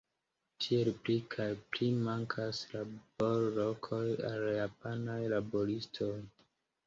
Tiele pli kaj pli mankas laborlokoj al japanaj laboristoj.